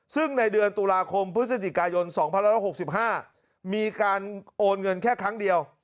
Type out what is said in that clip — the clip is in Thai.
ซึ่งในเดือนตุลาคมพฤศจิกายน๒๑๖๕มีการโอนเงินแค่ครั้งเดียว